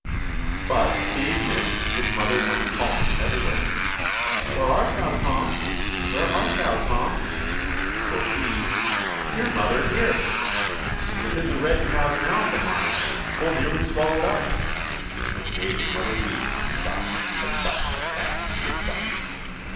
But, being missed, his mother went Calling him everywhere, 'Where art thou, Tom? Where art thou, Tom?' Quoth he, ' Here, mother, here ! Within the red cow's mouth am I Full nearly swallowed up,' Which made his mother weep and sigh That thus the cow should sup.